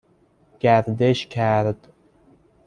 گردش کرد